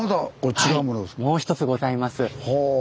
もう一つございます。